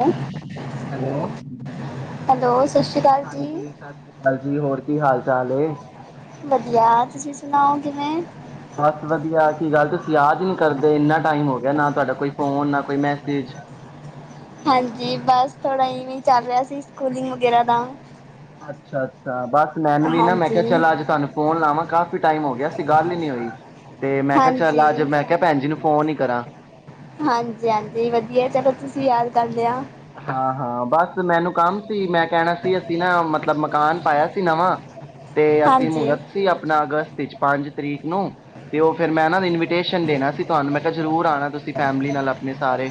ਹੈ [unintelligible] ਹੈਲੋ, ਸਤਿ ਸ਼੍ਰੀ ਅਕਾਲ ਹਾਂਜੀ ਜੀ ਸਤਿ ਸ੍ਰੀ ਅਕਾਲ ਜੀ ਹੋਰ ਕੀ ਹਾਲ ਚਾਲ ਏ? ਤੁਸੀ ਸੁਣਾਓ ਕਿਵੇਂ? ਬਸ ਵਧੀਆ ਕੀ ਗੱਲ ਤੁਸੀਂ ਯਾਦ ਹੀ ਨਹੀਂ ਕਰਦੇ ਇੰਨਾ ਟਾਈਮ ਹੋ- ਨਾ ਤੁਹਾਡਾ ਕੋਈ ਫੋਨ ਨਾ ਕੋਈ ਮੈਸੇਜ- ਹਾਂਜੀ ਬਸ ਥੋੜਾ ਇਵੇਂ ਚੱਲ ਰਿਹਾ ਸੀ ਸਕੂਲਿੰਗ ਵਗੈਰਾ ਦਾ- ਅੱਛਾ-ਅੱਛਾ, ਬਸ ਮੈਨੂੰ ਵੀ ਨਾ ਮੈਂ ਹਾਂਜੀ ਕਿਹਾ ਚੱਲ ਅੱਜ ਤੁਹਾਨੂੰ ਫੋਨ ਲਾਵਾਂ ਕਾਫ਼ੀ ਟਾਈਮ ਹੋ ਗਿਆ ਸੀ ਗੱਲ ਹੀ ਨੀ ਹੋਈ, ਤੇ ਮੈਂ ਕਿਹਾ ਹਾਂਜੀ ਚੱਲ ਅੱਜ ਮੈਂ ਕਿਹਾ ਭੈਣ ਜੀ ਨੂੰ ਫੋਨ ਹੀ ਕਰਾਂ। ਹਾਂਜੀ ਹਾਂਜੀ ਵਧੀਆ ਚਲੋ ਤੁਸੀਂ ਯਾਦ ਕਰ ਲਿਆ। ਹਾਂ ਹਾਂ ਬਸ ਮੈਨੂੰ ਕੰਮ- ਮੈਂ ਕਹਿਣਾ ਸੀ ਅਸੀਂ ਨਾ ਮਤਲਬ ਮਕਾਨ- ਪਾਇਆ ਸੀ ਨਵਾਂ- ਤੇ ਅਸੀਂ ਹਾਂਜੀ ਮੂਰਤ ਸੀ ਆਪਣਾ ਅਗਸਤ- ਪੰਜ ਤਰੀਕ ਨੂੰ ਤੇ ਉਹ ਫਿਰ ਮੈਂ ਨਾ ਇਨਵੀਟੇਸ਼ਨ ਦੇਣਾ ਸੀ ਤੁਹਾਨੂੰ ਮੈਂ ਕਿਹਾ ਜ਼ਰੂਰ ਆਉਣਾ ਤੁਸੀਂ ਫੈਮਿਲੀ ਨਾਲ ਆਪਣੇ ਸਾਰੇ।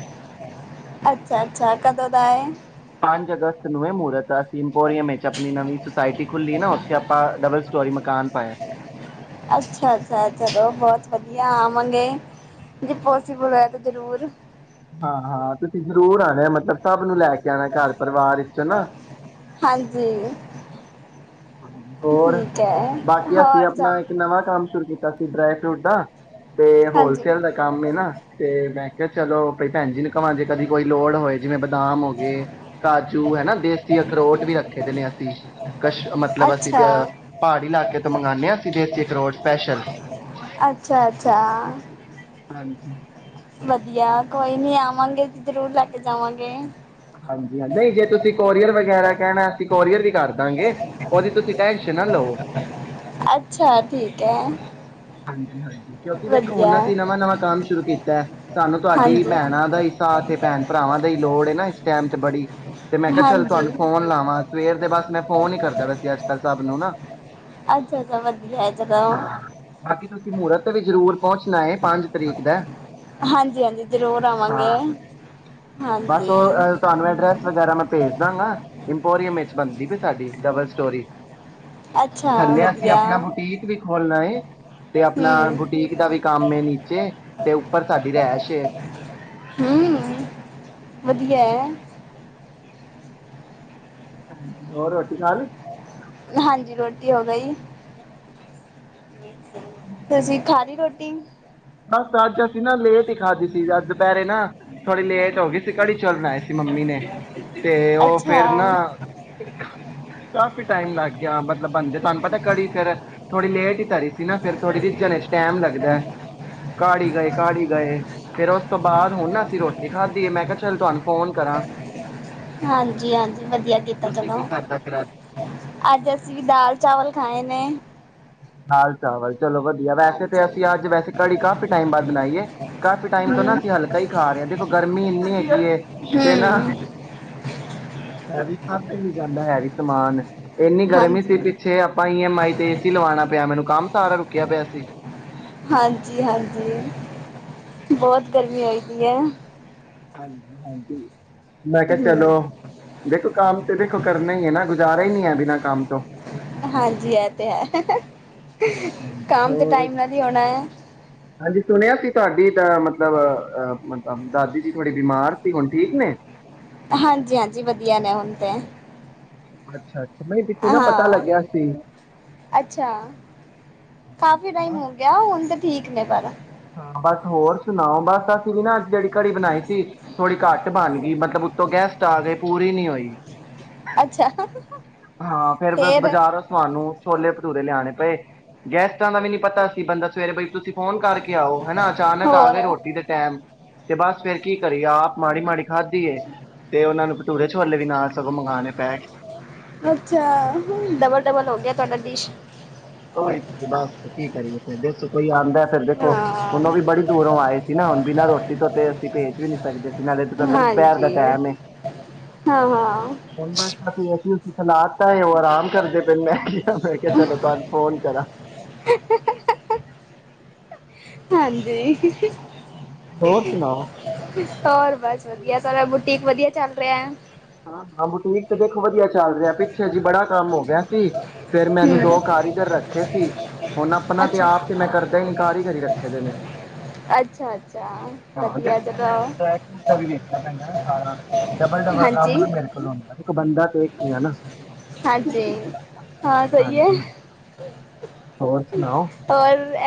ਅੱਛਾ ਅੱਛਾ ਕਦੋਂ ਦਾ ਏ? ਪੰਜ ਅਗਸਤ ਨੂੰ ਇਹ ਮਹੂਰਤ ਆ- ਇੰਪੋਰੀਅਮ ਵਿੱਚ ਆਪਣੀ ਨਵੀਂ ਸੋਸਾਇਟੀ ਖੁੱਲੀ ਨਾ ਉੱਥੇ ਆਪਾਂ ਡਬਲ- ਸਟੋਰੀ ਮਕਾਨ ਪਾਇਆ- ਅੱਛਾ ਅੱਛਾ ਚਲੋ ਬਹੁਤ ਵਧੀਆ ਆਵਾਂਗੇ ਜੇ ਪੋਸੀਬਲ ਹੋਇਆ ਤੇ ਜਰੂਰ। ਹਾਂ ਹਾਂ, ਤੁਸੀਂ ਜ਼ਰੂਰ ਆਣਾ ਮਤਲਬ ਸਭ ਨੂੰ ਲੈ ਕੇ- ਆਣਾ ਘਰ ਪਰਿਵਾਰ ਵਿਚੋਂ ਨਾ। ਹਾਂਜੀ ਹੂੰ, ਹੋਰ ਠੀਕ ਹੈ ਬਾਕੀ ਅਸੀਂ ਹੋਰ ਸਭ ਆਪਣਾ ਇੱਕ ਨਵਾਂ ਕੰਮ ਸ਼ੁਰੂ ਕੀਤਾ। ਸੀ ਡਰਾਈ ਫਰੂਟ ਦਾ- ਤੇ ਹਾਂਜੀ ਹੋਲਸੇਲ ਦਾ ਕੰਮ ਐ ਨਾ ਤੇ ਮੈਂ ਕਿਹਾ- ਚਲੋ- ਭੈਣਜੀ ਨੀ ਕਵਾਂ ਦੇ ਕਦੀ ਕੋਈ ਲੋੜ ਹੋਏ। ਜਿਵੇਂ ਬਦਾਮ ਹੋ ਗਏ ਕਾਜੂ ਹੈਨਾ। ਦੇਸੀ ਅਖਰੋਟ ਵੀ ਰੱਖੇ ਦੇ ਨੇ ਅਸੀਂ। ਕਸ਼ਮੀ ਮਤਲਬ ਅਸੀਂ ਤੇ ਅੱਛਾ ਪਹਾੜੀ ਇਲਾਕੇ ਤੋਂ ਮੰਗਵਾਂਦੇ ਹਾਂ ਅਸੀਂ ਤੇ ਇਕ ਰੋਡ ਸਪੈਸ਼ਲ ਅੱਛਾ -ਅੱਛਾ ਆਂ। ਹਾਂਜੀ ਵਧੀਆ ਕੋਈ ਨੀ ਆਵਾਂਗੇ ਜ਼ਰੂਰ ਲੈ ਕੇ ਜਾਵਾਂਗੇ। ਹਾਂਜੀ ਹਾਂ ਨਹੀਂ ਜੇ ਤੁਸੀਂ ਕੋਰੀਅਰ ਵਗੈਰਾ ਕਹਿਣਾ ਅਸੀਂ ਕੋਰੀਅਰ ਵੀ ਕਰਦਾਂਗੇ ਉਹਦੀ ਤੁਸੀਂ ਟੈਂਸ਼ਨ ਨਾ ਲੋ। ਅੱਛਾ ਠੀਕ ਐ। ਹਾਂਜੀ -ਹਾਂਜੀ ਕਿਉਂਕਿ ਦੇਖ ਹੁਣ ਅਸੀਂ ਨਵਾਂ- ਨਵਾਂ ਕੰਮ ਸ਼ੁਰੂ ਕੀਤਾ ਸਾਨੂੰ ਤੁਹਾਡੀ ਹਾਂਜੀ ਭੈਣਾਂ ਦਾ ਹੀ ਸਾਥ ਭੈਣ ਭਰਾਵਾਂ ਦਾ ਹੀ ਲੋੜ ਹੈਨਾ। ਸਹਿਮਤ ਬੜੀ ਤੇ ਮੈਂ ਕਿਹਾ ਚੱਲ ਹਾਂਜੀ ਤੁਹਾਨੂੰ ਫੋਨ ਲਾਵਾਂ ਸਵੇਰ ਦੇ ਬਸ ਮੈਂ ਫੋਨ ਹੀ ਕਰਦਾ ਵੈਸੇ ਅੱਜ ਕੱਲ ਸਭ ਨੂੰ ਨਾ ਅੱਛਾ ਅੱਛਾ ਵਧੀਆ ਜਗ੍ਹਾ ਤੁਸੀਂ ਮਹੂਰਤ ਤੇ ਵੀ ਜ਼ਰੂਰ ਪਹੁੰਚਣਾ ਹੈ ਪੰਜ ਤਰੀਕ ਦਾ ਹਾਂਜੀ- ਹਾਂਜੀ ਜ਼ਰੂਰ ਹਾਂ ਆਵਾਂਗੇ। ਬਸ ਹਾਂਜੀ ਉਹ ਤੁਹਾਨੂੰ ਐਡਰੈਸ ਵਗੈਰਾ ਮੈਂ ਭੇਜ ਦਾਂਗਾ। ਇੰਪੋਰੀਅਮ ਵਿੱਚ ਬਣਦੀ ਵੀ ਸਾਡੀ ਡਬਲ ਸਟੋਰੀ ਅੱਛਾ ਥੱਲੇ ਅਸੀਂ ਵਧੀਆ ਆਪਣਾ ਬੁਟੀਕ ਵੀ ਖੋਲਣਾ ਤੇ ਆਪਣਾ ਹਮ ਬੁਟੀਕ ਦਾ ਵੀ ਕੰਮ ਨੀਚੇ ਤੇ ਉੱਪਰ ਸਾਡੀ ਰਹਿਸ਼ ਏ। ਹਮ [unintelligible] ਹੋਰ ਰੋਟੀ ਖਾ ਲਈ ਹਾਂਜੀ ਰੋਟੀ ਹੋ ਗਈ। ਤੁਸੀਂ ਖੀ ਲਈ ਰੋ [inaudible] ਬਸ ਅੱਜ ਅਸੀਂ ਨਾ ਲੇਟ ਹੀ ਖਾਧੀ ਸੀ ਅੱਜ ਦੁਪਹਿਰੇ ਨਾ ਥੋੜੀ ਲੇਟ ਹੋ ਗਈ ਸੀ ਕੜੀ ਚਾਵਲ ਬਣਾਏ ਸੀ ਮੰਮੀ ਨੇ ਤੇ ਉਹ ਅੱਛਾ ਫੇਰ ਨਾ ਕਾਫੀ ਟਾਈਮ ਲੱਗ ਗਿਆ ਮਤਲਬ ਬਣਦੇ ਤੁਹਾਨੂੰ ਪਤਾ ਕੜੀ ਫੇਰ ਥੋੜੀ ਲੇਟ ਹੀ ਧਰੀ ਸੀ ਨਾ ਫ਼ਿਰ ਥੋੜੀ ਰੀਜ਼ਨ ਟੈਮ ਲੱਗਦਾ। ਘਾੜੀਗਏ ਘਾੜੀਗਏ ਫੇਰ ਉਸ ਤੋਂ ਬਾਅਦ ਹੁਣ ਨਾ ਅਸੀਂ ਰੋਟੀ ਖਾਧੀ ਹੈ ਮੈਂ ਕਿਹਾ ਚੱਲ ਤੁਹਾਨੂੰ ਫੋਨ ਕਰਾਂ ਹਾਂਜੀ -ਹਾਂਜੀ ਵਧੀਆ ਕੀਤਾ ਤੁਸੀਂ ਚਲੋ ਕੀ ਖਾਧਾ ਫਿਰ ਅੱਜ ਅੱਜ ਅਸੀਂ ਵੀ ਦਾਲ ਚਾਵਲ ਖਾਏ ਨੇ। ਦਾਲ ਚਾਵਲ ਚਲੋ ਵਧੀਆ ਵੈਸੇ ਤੇ ਹਾਂਜੀ ਅਸੀਂ ਅੱਜ ਵੈਸੇ ਕੜੀ ਕਾਫ਼ੀ ਟਾਈਮ ਬਾਅਦ ਬਣਾਈਏ ਕਾਫੀ ਟਾਈਮ ਤੋਂ ਨਾ ਹਮ ਅਸੀਂ ਹਲਕਾ ਹੀ ਖਾ ਰਹੇ ਹਾਂ ਦੇਖੋ ਗਰਮੀ ਇੰਨੀ ਹੈਗੀ ਤੇ ਨਾ ਹਮ ਫਸ ਵੀ ਜਾਂਦਾ ਹੈਵੀ ਸਮਾਨ ਇੰਨੀ ਗਰਮੀ ਸੀ ਹਾਂਜੀ ਪਿੱਛੇ ਆਪਾਂ ਈ ਐਮ ਆਈ ਤੇ ਤੀ ਲਵਾਣਾ ਪਿਆ ਮੈਨੂੰ ਕੰਮ ਸਾਰਾ ਰੁਕਿਆ ਪਿਆ ਸੀ। ਹਾਂਜੀ ਹਾਂਜੀ ਬਹੁਤ ਗਰਮੀ ਹੋਈ ਪਈ ਐ। ਹਾਂਜੀ- ਹਾਂਜੀ। ਮੈਂ ਕਿਹਾ ਹਮ ਚਲੋ ਦੇਖੋ, ਕੰਮ ਤੇ ਦੇਖੋ ਕਰਨਾ ਈ ਨਾ ਕੁਝ ਗੁਜਾਰਾ ਈ ਨੀ ਹੈ, ਬਿਨਾਂ ਕੰਮ ਤੋਂ। ਹਾਂਜੀ, ਐ ਤੇ ਹੈ। ਹਾਂਜੀ ਹਾਂਜੀ ਕੰਮ ਤੇ ਹੋਰ, ਟਾਈਮ ਨਾਲ ਹੀ ਹੋਣਾ ਹੈ ਹਾਂਜੀ ਸੁਣਿਆ ਸੀ ਤੁਹਾਡੀ ਦ ਮਤਲਬ ਅਹ ਮਤਬ ਦਾਦੀ ਜੀ ਥੋੜੀ ਬਿਮਾਰ ਸੀ, ਹੁਣ ਠੀਕ ਨੇ? ਹਾਂਜੀ- ਹਾਂਜੀ, ਵਧੀਆ ਨੇ ਹੁਣ ਤੇ। ਅੱਛਾ। ਹਾਂ, ਅੱਛਾ ਕਾਫੀ ਟਾਈਮ ਹੋ ਗਿਆਂ ਹੁਣ ਤੇ ਠੀਕ ਨੇ ਸਾਰਾ। ਹਾਂ, ਬਸ ਹੋਰ ਸੁਣਾਓ, ਬਸ ਅਸੀਂ ਵੀ ਨਾ ਅੱਜ ਜਿਹੜੀ ਕ੍ਹੜੀ ਬਣਾਈ ਸੀ ਥੋੜ੍ਹੀ ਘੱਟ ਬਣਗੀ, ਮਤਲਬ ਉੱਤੋਂ ਗੈਸਟ ਆ ਗਏ ਪੂਰੀ ਨੀ ਹੋਈ। ਅੱਛਾ। ਹਾਂ, ਫੇਰ ਬਸ ਬਾਜ਼ਾਰੋ ਤੁਹਾਨੂੰ ਛੋਲੇ ਭਟੂਰੇ ਲਿਆਣੇ ਪਏ ਗੈਸਟਾਂ ਦਾ ਵੀ ਨੀ ਪਤਾ ਸੀ, ਬੰਦਾ ਸਵੇਰੇ ਬਈ ਤੁਸੀਂ ਫੋਨ ਕਰਕੇ ਆਓ ਹਨਾ, ਅਚਾਨਕ ਆ ਗਏ ਹੋਰ ਰੋਟੀ ਦੇ ਟੈਮ। ਤੇ ਬਸ ਫੇਰ ਕੀ ਕਰੀਏ, ਆਪ ਮਾੜੀ-ਮਾੜੀ ਖਾਧੀ ਏ ਤੇ ਓਹਨਾਂ ਨੂੰ ਭਟੂਰੇ ਛੋਲੇ ਵੀ ਨਾਲ ਸਗੋਂ ਮੰਗਾਣੇ ਪਏ। ਅੱਛਾ, ਹੂੰ ਡਬਲ- ਡਬਲ ਹੋ ਗਿਆ ਤੁਹਾਡਾ ਡਿਸ਼। ਓਈ ਤੇ ਬਸ ਕੀ ਕਰੀਏ। ਤੇ ਦੇਸੋ ਕੋਈ ਆਉਂਦੈ। ਫੇਰ ਦੇਖੋ ਹੁਣ, ਹਾਂ ਓਨੋ ਵੀ ਬੜੀ ਦੂਰੋਂ ਆਏ ਸੀ ਨਾ ਹੁਣ ਬਿਨਾਂ ਰੋਟੀ ਤੋਂ ਤੇ ਅਸੀਂ ਭੇਜ ਵੀ ਨੀ ਸਕਦੇ ਸੀ ਨਾਲੇ ਥੋਨੂੰ ਪਤਾ ਦੁਪਹਿਰ ਦਾ ਹਾਂਜੀ ਟੈਮ ਏ, ਹਾਂ ਹਾਂ ਹੁਣ ਬਸ ਅਸੀਂ ਏਸੀ ਉਸੀ ਚਲਾ ਦਿੱਤਾ, ਉਹ ਆਰਾਮ ਕਰਦੇ ਪੇ ਨੇ ਮੈਂ ਕਿਹਾ ਚਲੋ ਤਾਨੂੰ ਫੋਨ ਕਰਾ। ਹਾਂਜੀ। ਹੋਰ ਸੁਣਾਓ ਹੋਰ ਬਸ, ਵਧ ਧੀਆ ਸਾਰਾ ਬੁਟੀਕ ਵਧੀਆ ਚੱਲ ਰਿਹਾ। ਹਾਂ- ਹਾਂ ਬੁਟੀਕ ਤੇ ਦੇ ਵਧੀਆ ਚੱਲ ਰਿਹਾ ਪਿੱਛੇ ਜੀ ਬੜਾ ਕੰਮ ਹੋ ਗਿਆ ਸੀ, ਫੇਰ ਮੈਨੂੰ ਦੋ ਹਮ ਕਾਰੀਗਰ ਰੱਖੇ ਸੀ ਹੁਣ ਆਪਣਾ ਤੇ ਅੱਛਾ ਆਪ ਤੇ ਮੈਂ ਕਰਦਾ ਹੀ ਨੀ ਕਾਰੀਗਰ ਹੀ ਰੱਖੇ ਦੇ ਨੇ। ਅੱਛਾ ਅੱਛਾ ਹਾਂ, ਵਧੀਆ ਦੇਖੋ ਫੇਰ ਚਲੋ ਮੈਨੂੰ ਟਰੈਕ ਸੂਟ ਦਾ ਵੀ ਦੇਖਣਾ ਪੈਂਦੈ ਨਾ ਸਾਰਾ ਡਬਲ- ਡਬਲ। ਕੰਮ ਹਾਂਜੀ ਨੀ ਮੇਰੇ ਕੋਲ ਹੁੰਦਾ ਇੱਕ ਬੰਦਾ ਤੇ ਇੱਕ ਹੀ ਆ ਨਾ ਹਾਂਜੀ ਹਾਂ, ਸਹੀ ਐ। ਹਾਂਜੀ [inaudible] ਹਾਂ ਹੋਰ ਸੁਣਾਓ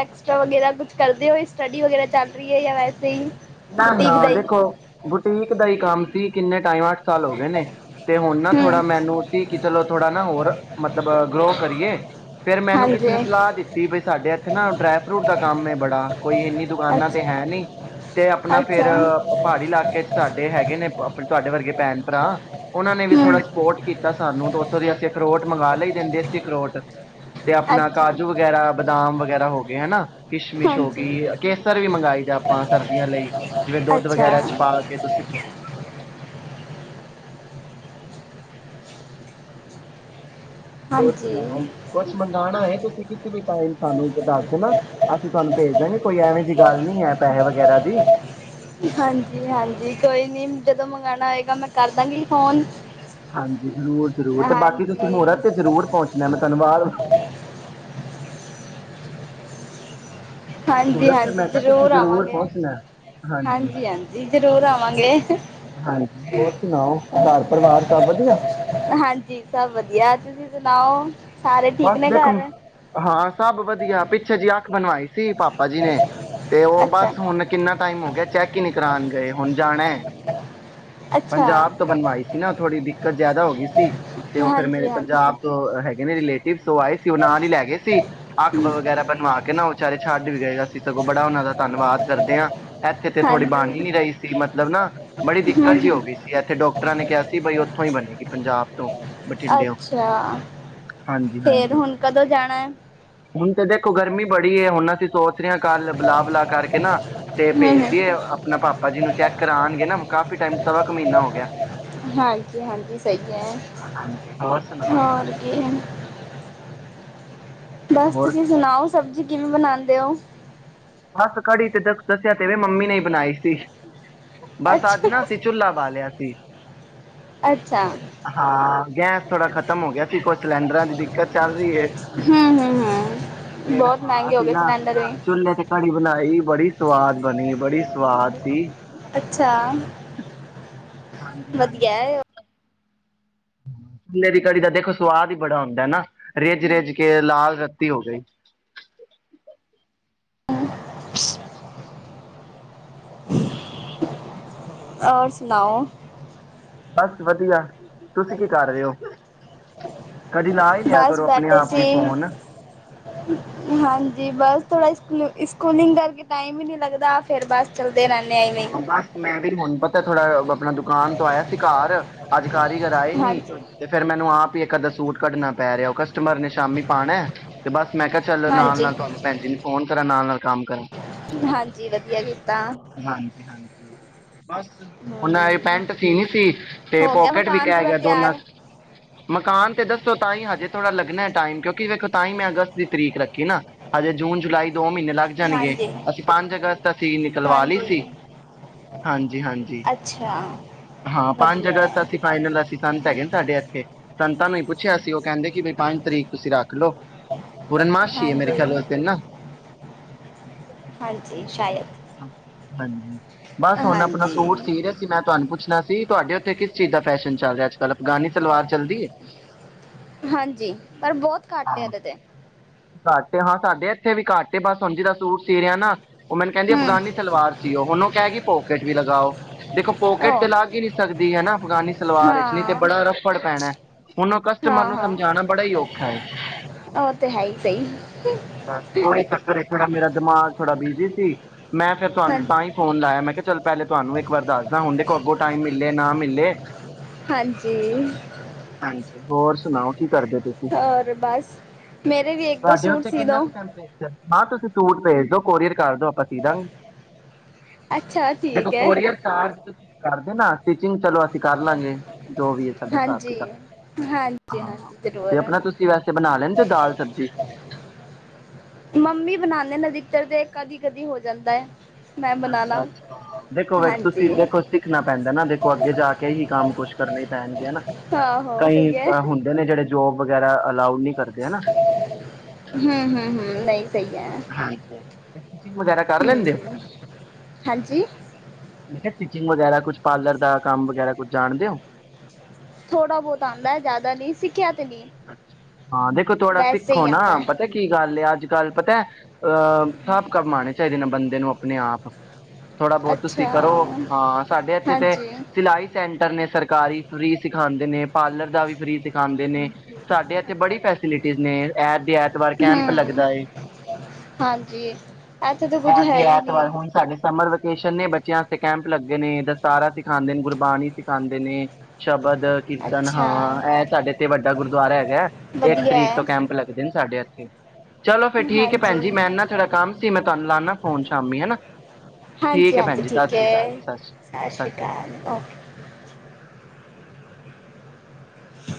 ਐਸਟਰਾ ਵਗੈਰਾ ਕੁਛ ਕਰਦੇ ਹੋ, ਸਟੱਡੀ ਵਗੈਰਾ ਚੱਲ ਰਹੀ ਏ ਯਾ ਵੈਸੇ ਈ ਨਾ ਨਾ ਦੇਖੋ ਬੁਟੀਕ ਦਾ ਹੀ ਕੰਮ ਵੀ ਕਿੰਨਾ ਤਾਈ ਮਾਂ ਅੱਠ ਸਾਲ ਹੋ ਗਏ ਨੇ, ਤੇ ਹੁਣ ਨਾ ਥੋੜਾ ਹਮ ਮੈਨੂੰ ਸੀ ਕਿ ਚਲੋ ਥੋੜਾ ਨਾ ਹੋਰ ਮਤਲਬ ਗਰੋ ਕਰੀਏ, ਫੇਰ ਮੈਨੂੰ ਕਿਸੇ ਹਾਂਜੀ ਨੇ ਸਲਾਹ ਦਿੱਤੀ, ਬਈ ਸਾਡੇ ਇੱਥੇ ਨਾ ਡਰਾਈ ਫਰੂਟ ਦਾ ਕੰਮ ਹੈ ਬੜਾ। ਕੋਈ ਇੰਨੀ ਦੁਕਾਨਾਂ ਤੇ ਅੱਛਾ ਹੈ ਨਹੀਂ। ਤੇ ਆਪਣਾ ਫੇਰ, ਅੱਛਾ ਪਹਾੜੀ ਇਲਾਕੇ ਚ ਸਾਡੇ ਹੈਗੇ ਨੇ ਤੁਹਾਡੇ ਵਰਗੇ ਭੈਣ ਭਰਾ ਉਹਨਾਂ ਨੇ ਵੀ ਥੋੜ੍ਹਾ ਹਮ ਸਪੋਰਟ ਕੀਤਾ ਸਾਨੂੰ, ਤੇ ਉੱਥੋਂ ਦੀ ਅਸੀਂ ਅਖਰੋਟ ਮੰਗਵਾ ਲਈ ਦੇ, ਦੇਸੀ ਅਖਰੋਟ ਤੇ ਆਪਣਾ ਅੱਛਾ ਕਾਜੂ ਵਗੈਰਾ ਬਦਾਮ ਵਗੈਰਾ ਹੋ ਗਏ ਹਨਾ ਕਿਸ਼ਮਿਸ਼ ਹੋ ਹਾਂਜੀ ਗਈ, ਕੇਸਰ ਵੀ ਮੰਗਵਾਏ ਜਾਂ ਆਪਾਂ ਸਰਦੀਆਂ ਲਈ ਜਿਵੇਂ ਦੁੱਧ ਅੱਛਾ ਵਗੈਰਾ ਚ ਪਾ ਕੇ ਤੁਸੀਂ ਹੋਰ ਸੁਣਾਓ, ਹਾਂਜੀ ਕੁਛ ਮੰਗਵਾਣਾ ਹੈ ਤੁਸੀਂ, ਕਿਸੇ ਵੀ ਟਾਈਮ ਸਾਨੂੰ ਦੱਸ ਦੇਨਾ। ਅਸੀਂ ਤੁਹਾਨੂੰ ਭੇਜ ਦਾਂਗੇ। ਕੋਈ ਐਵੇਂ ਜਿਹੀ ਗੱਲ ਨੀ ਹੈ, ਪੈਸੇ ਵਗੈਰਾ ਦੀ। ਹਾਂਜੀ ਹਾਂਜੀ ਕੋਈ ਨਹੀਂ ਜਦੋਂ ਮੰਗਵਾਉਣਾ ਹੋਏਗਾ, ਮੈਂ ਕਰਦਾਂਗੀ ਫੋਨ। ਹਾਂਜੀ, ਜ਼ਰੂਰ- ਜ਼ਰੂਰ, ਤੇ ਬਾਕੀ ਤੁਸੀਂ ਹਾਂਜੀ ਮੁਹਰਤ ਤੇ ਜ਼ਰੂਰ ਪਹੁੰਚਣਾ, ਮੈਂ ਤੁਹਾਨੁੰ ਵਾਰ-ਵਾਰ ਹਾਂਜੀ, ਮਹੂਰਤ ਤੇ ਹਾਂਜੀ ਮੈਂ ਕਿਹਾ ਤੁਸੀਂ ਜ਼ਰੂਰ ਆਵਾਂਗੇ। ਪਹੁੰਚਣਾ। ਹਾਂਜੀ, ਹਾਂਜੀ ਜ਼ਰੂਰ ਆਵਾਂਗੇ। ਹਾਂਜੀ ਹੋਰ ਸੁਣਾਓ ਘਰ ਪਰਿਵਾਰ ਸਭ ਵਧੀਆ? ਹਾਂਜੀ, ਸਭ ਵਧੀਆ। ਤੁਸੀਂ ਤਓ [unintelligible] ਬਸ ਦੇਖੋ, ਹਾਂ, ਸਭ ਵਧੀਆ, ਪਿੱਛੇ ਜਿਹੀ ਅੱਖ ਬਣਵਾਈ। ਸੀ ਪਾਪਾ ਜੀ ਨੇ, ਤੇ ਉਹ ਅੱਛਾ ਬਸ ਹੁਣ ਕਿੰਨਾ ਟਾਈਮ ਹੋ ਗਿਆ, ਚੈੱਕ ਹੀ ਨੀ ਕਰਾਉਣ ਗਏ। ਹੁਣ ਜਾਣਾ, ਅੱਛਾ ਪੰਜਾਬ ਤੋਂ ਬਣਵਾਈ ਸੀ ਨਾ, ਥੋੜੀ ਦਿੱਕਤ ਜਿਆਦਾ ਹੋ ਗਈ ਸੀ। ਤੇ ਉਹ ਫੇਿਰ ਹਾਂਜੀ ਮੇਰੇ ਹਾਂਜੀ ਪੰਜਾਬ ਤੋਂ ਹੈਗੇ ਨੇ ਰਿਲੇ ਆਏ ਸੀ। ਉਹ ਨਾਲ ਹੀ ਲੈ ਗਏ ਸੀ, ਅੱਖ ਵਗੈਰਾ ਬਣਵਾ ਕੇ ਨਾ, ਵਿਚਾਰੇ ਛੱਡ ਵੀ ਗਏ ਸੀ। ਅਸੀ ਸਗੋਂ ਬੜਾ ਉਹਨਾਂ ਦਾ ਧੰਨਵਾਦ ਕਰਦੇ ਹਾਂ। ਇੱਥੇ ਤੇ ਥੋੜੀ ਬਣ ਹਾਂਜੀ ਹੀ ਨੀ ਰਹੀ ਸੀ, ਮਤਲਬ ਨਾ, ਬੜੀ ਦਿੱਕਤ ਜਿਹੀ ਹੋ ਗਈ ਸੀ। ਇੱਥੇ ਡਾਕਟਰਾਂ ਨੇ ਕਿਹਾ ਸੀ, ਬਈ ਉੱਥੋਂ ਹੀ ਬਣੇਗੀ। ਪੰਜਾਬ ਤੋਂ, ਬਠਿੰਡੇਓ ਅੱਛਾ ਹਾਂਜੀ, ਫੇਰ ਹਾਂਜੀ। ਹੁਣ ਕਦੋਂ ਜਾਣਾ ਹੈ ਹੁਣ ਤੇ ਦੇਖੋ, ਗਰਮੀ ਬੜੀ ਏ, ਹੁਣ ਅਸੀਂ ਸੋਚ ਰੇ ਕੱਲ ਬਲਾ- ਬਲਾ ਕਰਕੇ ਨਾ, ਤੇ ਹਮ ਭੇਜਦੀਏ ਹਮ ਆਪਣਾ ਪਾਪਾ ਜੀ ਨੂੰ ਚੈੱਕ ਕਰਾਨਗੇ ਨਾ, ਕਾਫੀ ਟੈਮ, ਸਵਾ ਕ ਮਹੀਨਾ ਹੋ ਗਿਆ। ਹਾਂਜੀ ਹਾਂਜੀ ਸਹੀ ਹੈ ਹਾਂਜੀ, ਹੋਰ ਸੁਣਾਓ। ਹੋਰ ਕੀ ਬਸ ਹੋਰ ਤੁਸੀਂ ਸੁਣਾਓ। ਸਬਜ਼ੀ ਕਿਵੇਂ ਬਣਾਉਦੇ ਹੋ। ਦੀਦੀ ਮੰਮੀ ਨੇ ਬਣਾਈ ਸੀ। ਬਸ, ਅੱਜ ਅੱਛਾ ਨਾ ਅਸੀ ਚੁਲਾ ਬਾਲਿਆ ਸੀ। ਅੱਛਾ ਹਾਂ, ਗੈਸ ਥੋੜਾ ਖਤਮ ਹੋ ਗਿਆ ਸੀ, ਕੁਛ ਸਿਲੰਡਰਾਂ ਦੀ ਦਿੱਕਤ ਚੱਲ ਰਹੀ ਹੈ, ਹਮ ਹਮ ਹਮ ਫਿਰ ਬਹੁਤ ਹਾਂ ਮਹਿੰਗੇ ਹੋ ਅਸੀਂ ਗਏ ਨਾ ਸਿਲੰਡਰ ਵੀ ਚੁਲ੍ਹੇ ਤੇ ਬਣਾਈ ਬੜੀ ਸੋਹ ਸਵਾਦ ਬਣੀ, ਬੜੀ ਸਵਾਦ ਸੀ। ਅੱਛਾ। ਹਾਂਜੀ ਵਧੀਆ ਹਾਂਜੀ। ਹੈ ਚੁੱਲ੍ਹੇ ਦੀ ਕੜੀ ਦਾ ਦੇਖੋ ਸਵਾਦ ਹੀ ਬੜਾ ਹੁੰਦਾ ਨਾ ਰਿੱਝ- ਰਿੱਝ ਕੇ ਲਾਲ ਰੱਤੀ ਹੋ ਗਈ। [unintelligible] [unintelligible] ਔਰ ਸੁਣਾਓ। ਬਸ ਵਧੀਆ। ਤੁਸੀਂ ਕੀ ਕਰ ਰਹੇ ਔ, ਕਦੀ ਲਾਈ ਲਿਆ ਬਸ ਕਰੋ ਆਪਣੇ ਬੈਠੇ ਆਪ ਵੀ ਸੀ ਫੋਨ। ਥੋੜ੍ਹਾ ਇ ਸਕੂਲ ਸਕੂਲਿੰਗ ਕਰਕੇ ਟਾਈਮ ਹੀ ਨੀ ਲੱਗਦਾ ਫੇਰ ਬਸ ਚ ਹਾਂ, ਬਸ ਮੈਂ ਵੀ ਹੁਣ ਪਤਾ ਥੋੜਾ ਬ ਆਪਣਾ ਦੁਕਾਨ ਤੋਂ ਆਇਆ ਸੀ ਘਰ। ਅੱਜ ਕਾਰੀਗਰ ਆਏ ਨੀ, ਹਾਂਜੀ ਤੇ ਫੇਰ ਮੈਨੂੰ ਆਪ ਹੀ ਇਕ ਅੱਧਾ ਸੂਟ ਕੱਢਣਾ ਪੈ ਰਿਹਾ ਉਹ ਕਸ ਕਸਟਮਰ ਨੇ ਸ਼ਾਮੀ ਪਾਉਣਾ, ਤੇ ਬਸ ਮੈਂ ਕਿਹਾ ਚੱਲ ਹਾਂਜੀ ਨਾਲ-ਨਾਲ ਤੁਹਾਨੂੰ ਭੈਣ ਜੀ ਨੂੰ ਫੋਨ ਕਰਾਂ ਨਾਲ-ਨਾਲ ਕੰਮ ਕਰਾਂ। ਹਾਂਜੀ ਵਧੀਆ ਕੀਤਾ ਹਾਂਜੀ-ਹਾਂਜੀ, ਬਸ ਔਹ ਨਾਂ ਏ ਹਮ ਪੈਂਟ ਸੀਣੀ ਸੀ ਤੇ ਹੋ ਗਿਆ ਪੌਕਿਟ ਵੀ ਮਕਾਨ ਕਹਿ ਪੂਰਾ ਗਿਆ ਦੋਨਾਂ, ਤਿਆਰ ਮਕਾਨ ਤੇ ਦੱਸੋ ਤਾਂ ਨਹੀਂ ਹਜੇ ਥੋੜ੍ਹਾ ਲੱਗਣੈ ਟਾਈਮ ਕਿਉਂਕਿ ਵੇਖੋ ਤਾਂ ਹੀ ਮੈਂ ਅਗਸਤ ਦੀ ਤਰੀਕ ਰੱਖੀ ਨਾ ਹਜੇ ਜੂਨ ਜੁਲਾਈ ਦੋ ਮਹੀਨੇ ਲੱਗ ਜਾਣਗੇ ਹਾਂਜੀ ਅਸੀਂ ਪੰਜ ਅਗਸਤ ਅਸੀਂ ਨਿਕਲਵਾਲੀ। ਹਾਂਜੀ ਸੀ, ਹਾਂਜੀ- ਹਾਂਜੀ ਅੱਛਾ ਹਾਂ ਪੰਜ ਵਧੀਆ ਅਗਸਤ ਹੈ ਅਸੀਂ ਫਾਈਨਲ ਅਸੀਂ ਸੰਤ ਹੈਗੇ ਨੇ ਸਾਡੇ ਐਥੇ ਸੰਤਾਂ ਨੂੰ ਈ ਪੁੱਛਿਆ। ਉਹ ਕਹਿੰਦੇ ਕਿ ਬਈ ਪੰਜ ਤਰੀਕ ਤੁਸੀਂ ਰੱਖ ਲੋ ਪੂਰਨਮਾਸ਼ੀ ਏ ਮੇਰੇ ਹਾਂਜੀ ਖਿਆਲ ਓਸ ਦਿਨ ਨਾ। ਹਾਂਜੀ, ਸ਼ਾਇਦ ਹਾਂਜੀ, ਬਸ ਹੁਣ ਅਪਣਾ ਹਾਂਜੀ ਸੂਟ ਸੀਅ ਰਹੇ ਸੀ ਮੈਂ ਤੁਹਾਨੂੰ ਪੁੱਛਣਾ ਸੀ ਦੀ ਤੁਹਾਡੇ ਔਥੇ ਕਿਸ ਚੀਜ਼ ਦਾ ਫੈਸ਼ਨ ਚੱਲ ਰਿਹਾ। [unintelligible] ਅਫਗਾਨੀ ਸਲਵਾਰ ਚੱਲਦੀ ਏ। ਹਾਂਜੀ, ਪਰ ਬਹੁਤ ਘੱਟ ਏ ਹਾਂ ਐਦੇ ਤੇ। ਘੱਟ ਏ ਹਾਂ ਸਾਡੇ ਐਥੇ ਵੀ ਘੱਟ ਏ, ਬਸ ਹੁਣ ਜਿਦਾ ਸੂਟ ਸੀਅ ਰਿਹਾ ਨਾ ਉਹ ਮੈਨੂੰ ਕਹਿੰਦੀ ਹਮ ਅਫਗਾਨੀ ਸਲਵਾਰ ਸੀਓ, ਹੁਣ ਉਹ ਕਹਿ ਗੀ ਪੋਕੇਟ ਵੀ ਲਗਾਓ ਵੇਖੋ ਪੋਕੇਟ ਤੇ ਉਹ ਲੱਗ ਈ ਨੀ ਸਕਦੀ ਹਨਾ, ਅਫਗਾਨੀ ਸਲਵਾਰ ਇਸ ਲਈ ਤੇ ਹਾਂ ਬੜਾ ਰੱਫੜ ਪੈਣੈ ਹੁਣ ਉਹ ਕਸਟਮਰ ਹਾਂ ਨੂੰ ਹਾਂ ਸਮਝਾਣਾ ਬੜਾ ਈ ਔਖਾ ਏ। ਉਹ ਤੇ ਹੈ ਹੀ ਸਹੀ ਬਸ ਕੋਈ ਚੱਕਰ ਏ ਥੋੜਾ ਮੇਰਾ ਦਿਮਾਗ ਥੋੜਾ ਬਿਜੀ ਸੀ। ਮੈਂ ਫੇਰ ਹਾਂ ਤੁਹਾਨੂੰ ਤਾਂ ਈ ਫੋਨ ਲਾਇਆ ਮੈਂ ਕਿਆ ਪਹਿਲੇ ਤੁਹਾਨੂੰ ਇੱਕ ਵਾਰ ਦੱਸਦਾ ਹੁਣ ਦੇ ਕੋ ਅੱਗੋਂ ਟਾਈਮ ਮਿਲੇ ਨਾ ਮਿਲੇ ਹਾਂਜੀ ਹਾਂਜੀ ਹੋਰ ਸੁਣਾਓ ਕੀ ਔਰ ਬਸ ਤੁਹਾਡੇ ਉੱਤੇ ਕਿੰਨਾ ਕੁ ਟੈਂਪਰੇਚਰ ਹਾਂ ਤੁਸੀਂ ਤੂੜ ਭੇਜ ਦੋ ਕੋਰੀਅਰ ਕਰ ਦੋ ਹਾ ਸੀ ਦਾਗੇ, ਤੇ ਕੋਰੀਅਰ ਚਾਰਜ ਕਰ ਦੇਨਾ ਨਾ ਅਸੀ ਚਲੋ ਅਸੀਂ ਕਰ ਲਾਂਗੇ ਜੋ ਵੀ ਹੈ ਸਾਡਾ ਹਿਸਾਬ ਹਾਂਜੀ ਕਿਤਾਬ ਹਾਂਜੀ ਹਾਂ ਹਾਂਜੀ ਤੇ ਜ਼ਰੂਰ ਆਪਣਾ ਤੁਸੀਂ ਵੈਸੇ ਬਣਾ ਲੈਣ ਮੰਮੀ ਬਣਾਉਂਦੇ ਏਦੀ ਚੱਲ ਦੇ ਕਦੀ ਕਦੀ ਹੋ ਜਾਂਦਾ ਹੈ ਮੈਂ ਬਣਾਣਾ ਅੱਛਾ ਅੱਛਾ ਦੇਖੋਖ ਹਾਂਜੀ ਤੁਸੀਂ ਦੇਖੋ ਸਿੱਖਣਾ ਪੈਂਦਾ ਨਾ ਦੇਖੋ ਅੱਗੇ ਜਾ ਕੇ ਹੀ ਕੰਮ ਕੁਛ ਕਰਨੇ ਹੀ ਪੈਣਗੇ ਹੈਨਾ ਆਹੋ ਕਈ ਹੁੰਦੇ ਨੇ ਜਿਹੜੇ ਜੋਬ ਵਗੈਰਾ ਅਲਾਊਡ ਨਹੀਂ ਕਰਦੇ ਹਨਾ ਹੂ ਹੂ ਹੂ ਲਈ ਸਹੀ ਹੈ ਸਟਿਚ ਵਗੈਰਾ ਕਰ ਲੈਂਦੇ ਹੋ ਹਮ ਹਾਂਜੀ ਸਟਿਚਿੰਗ ਵਗੈਰਾ ਕੁਛ ਪਾਰਲਰ ਦਾ ਕੰਮ ਵਗੈਰਾ ਕੁਛ ਜਾਣਦੇ ਹੋ ਥੋੜਾ ਬਹੁਤ ਆਉਂਦਾ ਜ਼ਿਆਦਾ ਨਹੀਂ ਸਿੱਖਿਆ ਤੇ ਨਹੀਂ ਹਾਂ ਦੇਖੋ ਥੋੜਾ ਵੈਸੇ ਸਿੱਖੋ ਹੀ ਨਾ ਆਉਂਦਾ ਹੈ ਪਤਾ ਕੀ ਗੱਲ ਹੈ ਅੱਜ ਕੱਲ ਪਤਾ ਅਹ ਸਾਬ ਕਮਾਣੇ ਚਾਹੀਦੇ ਨਾ ਬੰਦੇ ਨੂੰ ਆਪਣੇ ਆਪ ਥੋੜ੍ਹਾ ਬਹੁਤ ਤੁਸੀਂ ਅੱਛਾ ਕਰੋ ਹਾਂ ਸਾਡੇ ਇੱਥੇ ਤੇ ਹਾਂਜੀ ਸਿਲਾਈ ਸੈਂਟਰ ਨੇ ਸਰਕਾਰੀ ਫ੍ਰਰੀ ਸਿਖਾਉਦੇ ਨੇ ਪਾਰਲਰ ਦਾ ਵੀ ਫਰੀ ਸਿਖਾਉਂਦੇ ਨੇ ਸਾਡੇ ਇੱਥੇ ਬੜੀ ਫੈਸਿਲਿਟੀਜ਼ ਨੇ ਐਤਵਾਰ ਕੈਂਪ ਹਮ ਲੱਗਦਾ ਹੈ ਹਾਂਜੀ ਇੱਥੇ ਤਾਂ ਕੁੱਝ ਹੈ ਹੀ ਐਤਵਾਰ ਨਹੀਂ ਹੁਣ ਸਾਡੇ ਸਮਰ ਵੇਕੇਸ਼ਨ ਨੇ ਬੱਚਿਆਂ ਕੈਂਪ ਲੱਗੇ ਨੇ ਦਸਤਾਰਾ ਸਿਖਾਉਦੇ ਨੇ ਗੁਰਬਾਣੀ ਸਿਖਾਉਂਦੇ ਨੇ ਸ਼ਬਦ ਕੀਰਤਨ ਅੱਛਾ ਹਾਂ ਇਹ ਸਾਡੇ ਤੇ ਵੱਡੇ ਸਾਡਾ ਗੁਰਦੁਆਰਾ ਹੈਗਾ ਇੱਕ ਵਧੀਆ ਤਰੀਕ ਹੈ ਤੋਂ ਕੈਂਪ ਲੱਗਦੇ ਨੇ ਸਾਡੇ ਇੱਥੇ ਚਲੋ ਫਿਰ ਠੀਕ ਹੈ ਭੈਣ ਜੀ ਹਾਂਜੀ ਮੈਂ ਇਨਾ ਥਡਾ ਕੰਮ ਸੀ ਮੈਂ ਤੁਹਾਨੂੰ ਲਾਉਦਾ ਫੋਨ ਸ਼ਾਮੀ ਹੈਨਾ ਹਾਂਜੀ ਠੀਕ ਹੈ ਭੈਣ ਹਾਂਜੀ ਜੀ ਠੀਕ ਸਤਿ ਸ੍ਰੀ ਅਕਾਲ ਹੈ ਜੀ ਸਤਿ ਸ੍ਰੀ ਅਕਾਲ ਸਤਿ ਸ਼੍ਰੀ ਅਕਾਲ